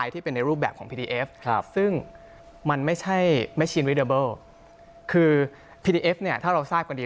ที่ใช้สูงใช้อ่าอะไรก็แล้วแต่นะครับ